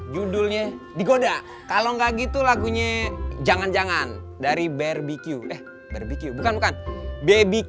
judulnya digoda kalau enggak gitu lagunya jangan jangan dari barbecue eh barbecue bukan bukan baby